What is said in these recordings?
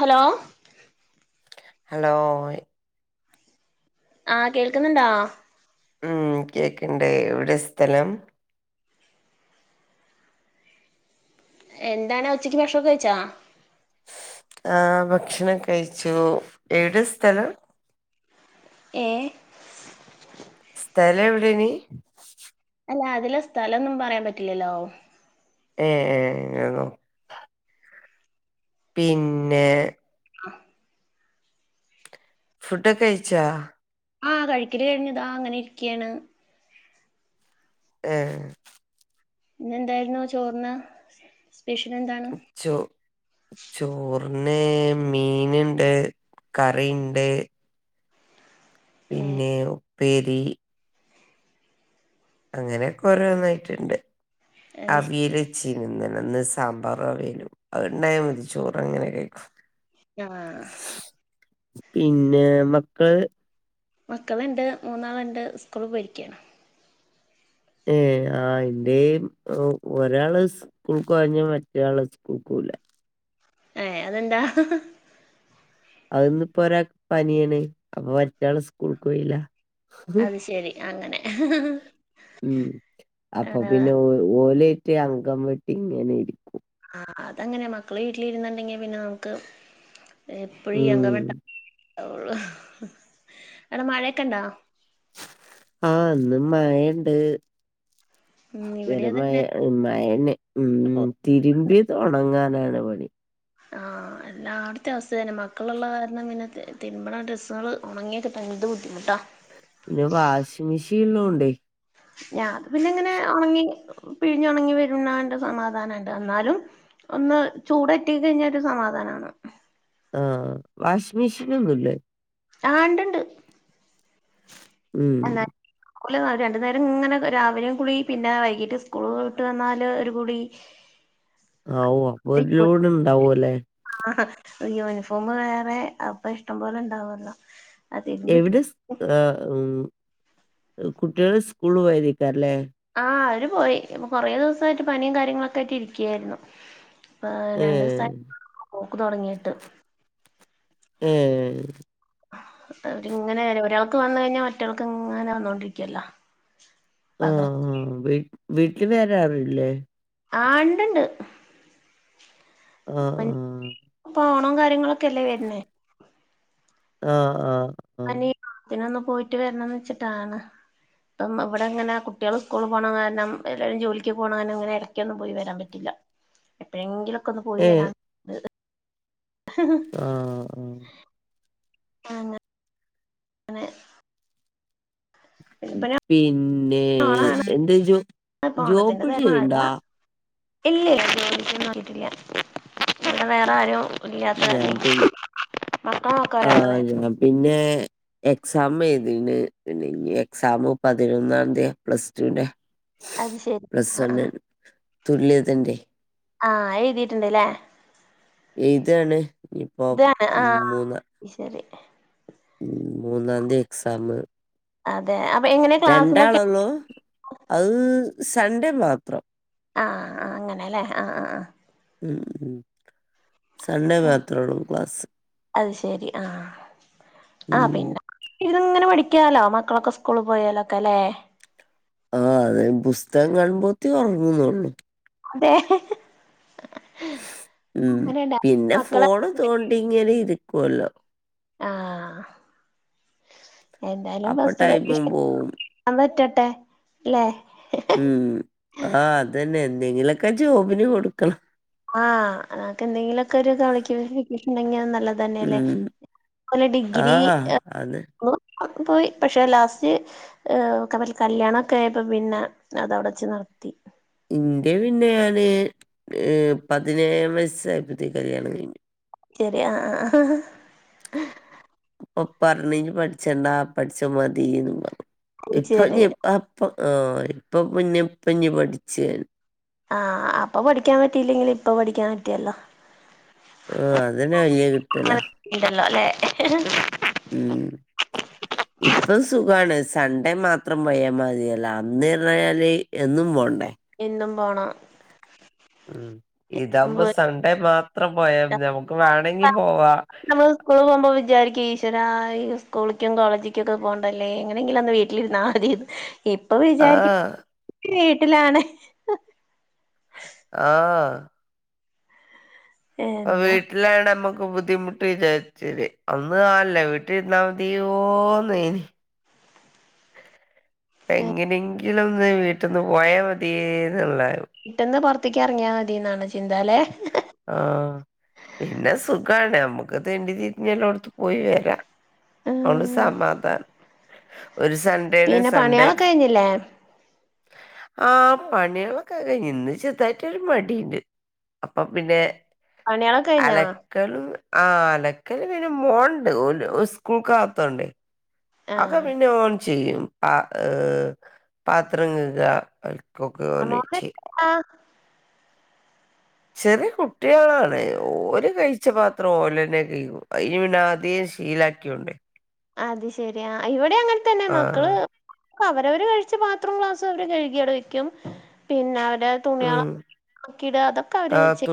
Hello ഹലോയ് ആ കേൾക്കുന്നിണ്ടാ ഉം കേക്കിണ്ടെ എവിടെയാ സ്ഥലം എന്താണ് ഉച്ചക്ക് ഭക്ഷണം കഴിച്ചോ ആ ഭക്ഷണൊകൈച്ചു ഏടെ സ്ഥലം ഏ സ്ഥല എവിടെയ്നി അല്ല അതിലെ സ്ഥല ഒന്നും പറയാൻ പറ്റില്ലല്ലോ ഏ ഏ ആണോ പിന്നെ ആ ഫുടൊകൈച്ചാ ആ കഴിക്കല് കഴിഞ്ഞിതാ അങ്ങനെ ഇരിക്കാണ് ഏ ഇന്നെന്താരുന്നു ചോർന് സ്പെഷ്യൽ എന്താണ് ചോ ചോറിന് മീനിണ്ട് കറിയിണ്ട് ഏഹ് പിന്നെ ഉപ്പേരി അങ്ങനെ കൊറേ [unintelligible] അയ്ശ് അവിയല് ചിന്ന്ന ഇന്ന് സാമ്പാറു അവിയലും അത് ഇണ്ടായാ മതി ചോറങ്ങനെ കൈക്കും ആ പിന്നെ മക്കൾ മക്കളിണ്ട് മൂന്നാളിണ്ട് സ്കൂളി പോയ്രിക്കയാണ് ഏ ആ എന്റേം ഒരാള് സ് [unintelligible] മറ്റേയാള് സ്കൂൾക്കോവൂലാ ഏ അതെന്താ അതിന്നിപ്പ ഒരാക്ക് പനിയാണ് അപ്പൊ മറ്റാള് സ്കൂൾക്ക് പോയില്ല ശെരി അങ്ങനെ ഉം അപ്പ ആഹ് പിന്നെ ഒ ഓലേറ്റ് അംഗം വെട്ടി ഇങ്ങനെ ഇരി ആ അതങ്ങനെയ മക്കള് വീട്ടിലിരുന്നുണ്ടെങ്കി പിന്നെ നമുക്ക് എപ്പഴും ഈ അങ്കം ഉം വെട്ടാ [unintelligible] അടെ മഴയൊക്കെ ഇണ്ടാ ആ ഇന്നും മയ ഇണ്ട് ഉം ഇവിടെ വരെ അതന്നെ മയാ മയനെ ഉം പോ തിരുമ്പിത് ഒണങ്ങാനാണ് പണി എല്ലാവട്ത്തെ അവസ്ഥ തന്നെ മക്കളുള്ള കാര്ണം പിന്നെ ത് തിരുമ്പണ ആ ഡ്രസ്സുകള് ഒണങ്ങിക്കിപ്പെന്ത് ബുദ്ധിമുട്ടാ പിന്നെ വാഷിം മെഷി ഇള്ളോണ്ടെ ഞാ അത് പിന്നെ ഇങ്ങനെ ഒണങ്ങി പിഴിഞ്ഞൊണങ്ങി വരുന്നാന്റെ സമാധാനുണ്ട് അന്നാലും ഒന്ന് ചൂടറ്റി കൈഞ്ഞ ഒരു സമാധാനവാണ് ആ വാഷിമിഷിനൊന്നൂല്ലേ ആ ഇണ്ട് ഇണ്ട് ഉം അല്ല [unintelligible] രണ്ടു നേരം ഇങ്ങനെ രാവിലേം കുളി പിന്നെ വൈകീട്ട് സ്കൂള് വിട്ട് വന്നാല് ഒരു കുളി ആ ഉവ്വ വെല്യോരുണ്ടാവു അല്ലെ ആഹ ഇയ്യോ യൂണിഫോമ് വേറെ അപ്പ ഇഷ്ടം പോലെ ഇണ്ടാവല്ലോ എവിടെ സ് ആ ഉം കുട്ടികള് സ്കൂള്ല് പോയിരിക്കാല്ലേ ആ അവര് പോയി ഇപ്പൊ കൊറേ ദിവസവായിട്ട് പനിയും കാര്യങ്ങളൊക്കെ ആയ്ട്ട് ഇരിക്കായിരുന്നു ആ രണ്ടുസായി ഏഹ് പോക്ക് തൊടങ്ങിട്ട് ഏ അവരിങ്ങനെ ഒരാൾക്ക് വന്ന് കഴിഞ്ഞ മറ്റയാൾക്ക് ഇങ്ങനെ വന്നോണ്ടിരിക്കുവല്ലോ ഉം പകർ ഉം വീ വീട്ടി വേറെ ആരുവില്ലെ ആഹ് ണ്ട്ണ്ട് ആഹ് ആഹ് പ്പോണോം കാര്യങ്ങളൊക്കെല്ലേ വര്ണേ ആഹ് ആഹ് ആഹ് ആഹ് ഞാനീ ഓണത്തിനൊന്ന് പോയിട്ട് വരണന്ന്ച്ചിട്ടാണ് ഇപ്പം വിടങ്ങനെ കുട്ട്യോൾ സ്കൂള് പോകണ കാരണം എല്ലാരും ജോലിക്ക് പോകണ കാരണം ഇങ്ങനെ ഇടക്കൊന്നും പോയി വരാൻ പറ്റില്ല എപ്പെഴെങ്കിലൊക്കെ ഒന്ന് പോയി ഏഹ് വരാൻ ആഹ് നെ പിന്നെ ഓണാണ് എന്തേലും ഇപ്പ ജോബ് ഓണത്തിന്റെ മഴ ചെയ്യണ്ടാ ഇല്ല ഇല്ല [unintelligible] വേറെ ആരും ഞാൻ പിന്നെ ആഹ് [unintelligible] ഞാൻ പിന്നെ എക്സാം എഴുതീന് പിന്നെ ഇനി എക്സാം പതിനൊന്നാതിയ പ്ലസ്റ്റൂന്റെ അത് ശരി പ്ലസ് ആ ആ വണ്ണാണ് തുല്യതന്റെയ് ആഹ് എയ്തീട്ട്ണ്ട്ലെ എയ്താണ് ഇതാണ് ആഹ് ശരി മൂന്നാന്തി എക്സാം അതെ അപ്പൊ എങ്ങനെ ക്ലാസ്സിനൊക്കെ രണ്ടാളൊള്ളു അത് സൺഡേ മാത്രം ആഹ് ആഹ് അങ്ങനെലെ ആഹ് ആഹ് ആഹ് ഉം ഉം സൺഡേ മാത്രൊള്ളൂ ക്ലാസ്സ് അത് ശരി ഉം ഇത്ങ്ങനെ പഠിക്കാലോ മക്കളൊക്കെ സ്കൂള് പോയാലൊക്കെല്ലെ ആ അതെ പുസ്തകം കാണുമ്പോത്തിനൊർങ്ങുന്നൊള്ളു അതെ ഉം അങ്ങനെണ്ട പിന്നെ മക്കളെ ഫോൺ തോണ്ടി ഇങ്ങനെ ഇരിക്കുല്ലോ ആഹ് എന്തായാലും അപ്പൊ ഫസ്റ്റ് ടൈമും പരീക്ഷ പോവും ഞാ വെക്കട്ടെ ലെ ഉം ആഹ് അതന്നെ എന്തെങ്കിലൊക്കെ ജോബിന് കൊട്ക്കണം ആഹ് ങ്ങക്ക് എന്തെങ്കിലൊക്കൊരു ക്വാളിഫിക്കി കിട്ടീട്ണ്ടെങ്കിത് നല്ല തന്നെല്ലേ ഉം ഒര് ആ ഡിഗ്രി അത് അതും പോയി പശെ ലാസ്റ്റ് ഏഹ് കാരണം കല്യാണൊക്കെ ആയപ്പോ പിന്നെ അതവ്ടെച്ച് നിർത്തി ഇന്റെ പിന്നെ ഞാൻ ഏഹ് പതിനേഴാം വയസ്സായപ്പത്തിന് കല്യാണം കയ്ഞ്ഞു ശരി ആഹ് ആഹ് ഉപ്പ പർഞ്ഞ് നി പഠിച്ചണ്ടാ പഠിച്ച മതീന്ന് പറഞ്ഞു ശരി ഇപ്പനി അപ്പോ ആഹ് ഇപ്പ പിന്നെ ഇപ്പഞ്ഞി പഠിച്ച് ആഹ് അപ്പൊ പഠിക്കാൻ പറ്റില്ലെങ്കിലും ഇപ്പൊ പഠിക്കാൻ പറ്റിയല്ലോ ആഹ് അതന്നെ വല്ല്യെ കിട്ടല ഇല്ലല്ലോ ല്ലെ ഉം ഇപ്പം സുഖാണ് സൺണ്ടേ മാത്രം പോയ മതിയല്ലോ അന്ന് പർഞ്ഞാല് എന്നും പോണ്ടേ എന്നും പോണം ഉം ഇതാവ്മ്പോ സൺഡേ മാത്രം പോയാമതി ഞമക്ക് വേണങ്കി പോവാ സ്കൂൾ പോവ്മ്പോ വിചാരിക്കും ഈശ്വര ഈ സ്കൂളിക്കും കോളേജിക്കൊക്കെ പോണ്ടല്ലേ എങ്ങനെങ്കിലൊന്ന് വീട്ട ട്ടിലിര്ന്ന് മതീന്ന് ഇപ്പൊ വിചാരിക്ക ആഹ് വീട്ടിലാണെ ആഹ് എന്താ വീട്ട് ല്ലാണ് അമ്മക്ക് ബുദ്ധിമുട്ട് വിചാരിച്ചേത് അന്ന് ആല്ല വീട്ടിലിരുന്നാൽ മതിയോന്നെനി. പ്പ എങ്ങനെങ്കിലും ഒന്ന് വീട്ടിൽന്ന് പോയാൽ മതിയേന്നോള്ളാവും. വീട്ട്ന്ന് പോർത്ത്ക്ക് എർങ്ങിയാ മതിന്നാണ് ചിന്തല്ലേ. ആ പിന്നെ സുഖാണ് നമ്മക്ക് തേണ്ടി തിരിഞ്ഞ് ഞ്ഞെല്ലോട്ത്തും പോയി വരാ. അയൊണ്ട് ഉം സമാധാനം ഒരൂ സൺഡേ സൺഡേ. ട്ടിലെ. ആ പണിയാളൊക്കെക്കയ്ഞ്ഞ് ഇന്ന് ചെർതായിട്ടൊരു മടിണ്ട്. അപ്പ പിന്നെ. പണിയള് കഴിഞ്ഞാ. ക്കൾ ആ അലക്കൽ പിന്നെ മോണ്ട്ഓല് ഉസ്കൂൾക്കാകത്തൊണ്ടെ. അയൊക്കെ ആഹ് പിന്നെ ഓൻ ചെയ്യും പത് ഏ പാത്രം കെഗാ. ആഹ് മോമെന്‍ ആ ചെറിയ കുട്ട്യാളാണ് ഓരെ കഴിച്ച പാത്രം ഓലന്നെ കയികും. അയ്ന് പിന്നാതിയെ ശീലാക്കിയൊണ്ട്. അത് ശെരിയാ ഇവെടെ അങ്ങൻതന്നെ മക്കള്. ആഹ് ക്ക അവരവര് കഴിച്ച പാത്ര ക്ലാസും അവര് കഴുകിയവടെ വെക്കും പിന്നെ അവരേ തുണിയള് ഉം ഒക്കിടഅതൊക്കെ അവരെചെയ്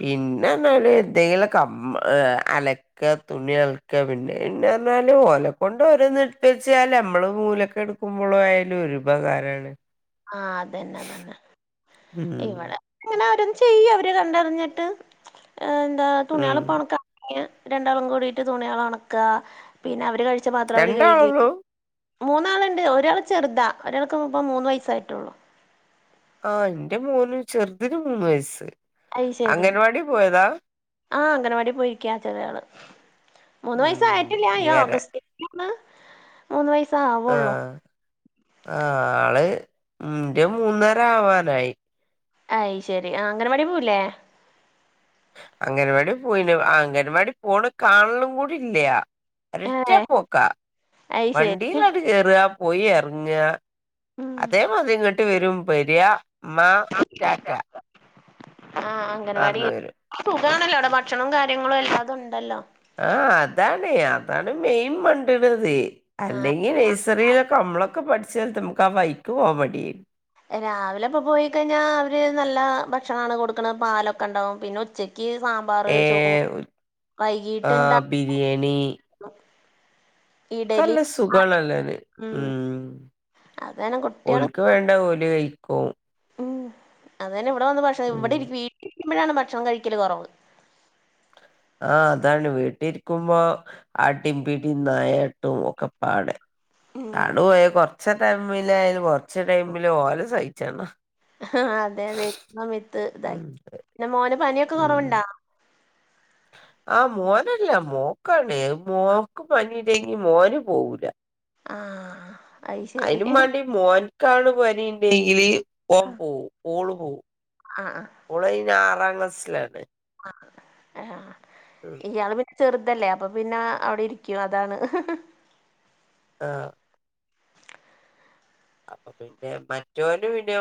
പിന്നെന്തല് എന്തെങ്കിലൊ കം എ അലെ. ക്ക തുണി അൾക്ക പിന്നെ പിന്നെർഞ്ഞാല് ഓല കൊണ്ട് ഓരോ ന്ന്ട്പ്പിച്ചാൽ അമ്മള് മൂലക്കെട് കുമ്പോളായാലും ഒരുപകാരാണ്. ആ അതന്നെ അതന്നെ ഉം ഇവടെ. അങ്ങനെ ഓരോന്ന് ചെയ്യ അവര് കണ്ടറിഞ്ഞിട്ട് എന്താ തുണികള് ഉം പോണക്ക. എ രണ്ടാളും കൂടിട്ട് തുണിയള് ഒണക്ക പിന്നെ അവര് കഴിച്ച പാത്രം അവര് കഴ്കി. രണ്ടാളൊള്ളൂ മൂന്നാള്ണ്ട് ഒരാൾ ചെറുതാ ഒരാൾക്ക്പ്പ മൂന്ന് വയസ്സായിട്ടൊള്ളൂ. ആ ഇന്റെ മോന് ചെർതിന് മൂന്ന് വയസ്സ് അംഗൻവാടി പോയതാ. ആ അംഗനവാടി പോയിരിക്കയാ ചെറിയാള് മൂന്ന് ഉം വയസ്സായിട്ടില്ല ഇനി വരാൻ ഈഓഗസ്റ്റ്. ലോണ്. മൂന്ന് വയസ്സാ. ആ ആള് ന്റെ മൂന്നരാവാറായി. അയ് ശെരി ആ അംഗനവാടി പോവൂല്ലേ? അങ്ങൻവാടി പോയിനും അംഗൻവാടി പോണെകാണലും കൂടി ഇല്ല. ഒരറ്റാ ഏഹ് പോക്കാ അയ് ശരി വണ്ടിയിലട്ട് കേറാ പോയി എർങ്ങ. ഉം അതേമാതിരി ഇങ്ങട്ട് വരും പെരാ മാ റ്റാറ്റാ. ആഹ് അംഗൻവാടി വരും സുഖാണല്ലോ അവ്ടെ ഭക്ഷണോംകാര്യങ്ങളും എല്ലാതും ഉണ്ടല്ലോ. ആ അതാണ് അതാണ് മെയ്ൻ മണ്ട്ണത്. അല്ലെങ്കിൽ നഴ്സറിയിലൊക്കെ അമ്മളൊക്കെ പഠിച്ചാലത്ത് അമക്ക് ആ വൈക്ക് പോവാൻ മടിയെരെന്ന്. രാവിലെ ഇപ്പോ പോയിക്കഴിഞ്ഞാൽ അവര് നല്ല ഭക്ഷണാണ് കൊട്ക്ക്ണ് പാലൊക്കെണ്ടാവും പിന്നെ ഉച്ചക്ക്. ക്കി സാമ്പാറ് ചോറ് ഏഹ് വൈകിട്ട് എന്താ? ആഹ് ബിരിയാണി ഇഡലി ച്ചല്ലാ സുഖാണല്ലേന്ന് ഉം അതെന്നെകുട്ട്യാളും. ക്ക് വേണ്ട ഓല് കഴിക്കും. ഉം അത്തന്നെ ഇവിടെ വന്ന് ഭക്ഷണം ആ അതെനെ ഇവ്ടെ വന്ന് ഭക്ഷണം ഇവിടെ ഉം ഇരിക്കും വീട്ടിലിരിക്കുമ്പോഴാണ് ഭക്ഷണം കഴിക്കല് കൊറവ്. ആ അതാണ് വീട്ടിരിക്കുമ്പോ. അടിം പിടിം നായട്ടും ഒക്കപാടെ. ഉം താണ് പോയ കൊർചോക്കെ ടൈമിലായ്ലും കൊർച്ച് ടൈമിലോലെ സയിച്ചണ്ടാ. ഹ ഹ ഹാ അതെ അതെ വര വിത്ത് ഉം ഇതാക്കി പിന്നെ മോന് പനിയൊക്കെ ഉം കൊറവുണ്ടാ? ആ മോനല്ല മോക്കാണ് മോക്ക് പനി ഇണ്ടങ്കി മോന് പോവൂല. ആഹ് അത് ശരി അയിനുമാണ്ടി മോൻകാണ് പനിണ്ടെങ്കില് ആഹ് ഓംപോവും ഊള് പോവും ആഹ് ഓളയ്ന് ആറാം ക്ലാസ്സിലാണ് അം ഉം ഏ ഇയാള് പി ചെറുതല്ലേ അപ്പൊ പിന്നെ അവിടെ ഇരിക്കുംഅതാണ് ആ അപ്പൊ പിന്നെ മറ്റോന് പിന്നേ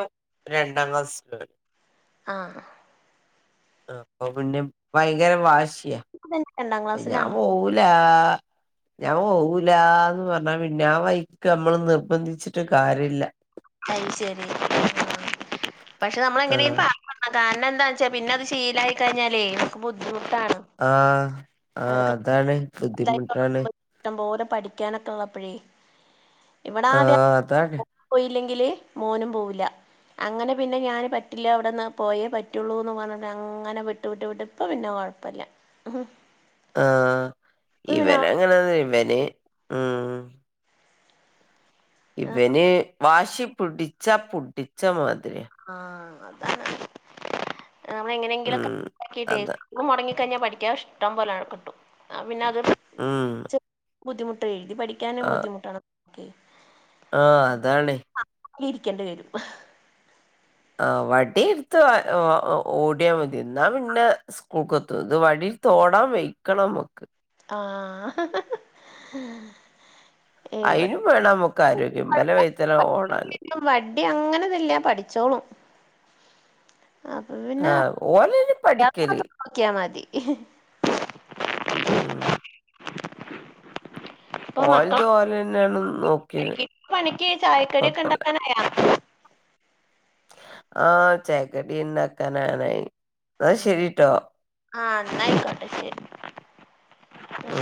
രണ്ടാം ക്ലാസ്സിക്കാണ് ആ അപ്പൊ പിന്നെ ഭയങ്കര വാശിയാ അതന്നെ രണ്ടാം ഞാ ക്ലാസ്സിലാണ് പോവൂലാ ഞാ പോവൂലാന്ന് പറഞ്ഞാ പിന്നെ ആ വൈക്ക് മ്മള് നിർബന്ധിച്ചിട്ട് കാര്യല്ല അയ് ശെരി പക്ഷെ ആഹ് നമ്മളെങ്ങനെയുംപ [unintelligible] ആ കാരണന്താന്നച്ചാ പിന്നെത് ശീലായി കഴിഞ്ഞാലേ ബുദ്ധിമുട്ടാണ് ആ ആ അതാണ് ബുദ്ധിമുട്ടാണ് [unintelligible] ഇഷ്ട്ടം പോലെ പഠിക്കാനൊക്കെള്ളപ്പഴേ ഇവെടാദ്യം ആഹ് അതാണ് നോ പോയില്ലെങ്കില് മോനും പോവൂല്ല അങ്ങനെ പിന്നെ ഞാൻ പറ്റില്ലാ വിടെന്നാ പോയേ പറ്റൊള്ളൂ എന്ന് പറഞ്ഞിട്ട് അങ്ങനെ വിട്ട് വിട്ട് വിട്ട് ഇപ്പൊ പിന്നെ കൊഴപ്പല്ല ആ ഇപ്പ പിന്നെ ഇവനങ്ങനെണ് ഇവന് ഉം ഇവന് വാശി പ്ടിച്ച പുടിച്ച മാതിര്യാ ആ [unintelligible] അതാണങ്ങനെ ന്നമ്മളെങ്ങനെങ്കിലൊക്കെ ഉം ആകീട്ടെ അതാ മൊടങ്ങിക്കഴിഞ്ഞാൽ പഠിക്കാൻ ഇഷ്ടം പോലെ അവ്ടെ കിട്ടും ആപിന്നെ അത് ഉം ബുദ്ധിമുട്ടേ തി പഠിക്കാനും ബുദ്ധിമുട്ടാണ് ആ അതാണ് ഇരിക്കെണ്ടി വെരും ആ വടിട്ത്ത് അതോ ഓടിയാൽ മതി ന്നാ പിന്നെ സ്കൂക്കെത്തും ഇത് വടിട്ത്ത് ഓടാൻ വെയ്ക്കണമ്മക്ക് ആ ഹ ഹ അയ്നും വേണംനമ്ക്ക് ആരോഗ്യം ഇബലെ കൊഴപ്പ വൈത്താലെ ഓടാന് വടി അങ്ങനൊന്നുല്ല പഠിച്ചോളും അപ്പൊ പിന്നെ അം ഓലൈന് പഠിക്കല് നോക്കിയാ മതി മ് ഓല്ത് ഓലന്നെണ്നോ ഇ പ്പണിക്ക് ചായക്കടിയൊക്കെണ്ടാക്കാനായോ ആ ചേക്കടി ഉണ്ടാക്കാനാണെ ന്നാ ആ ശെരിട്ടോ ആ ന്നാ ആയിക്കോട്ടെ ശെരി മ്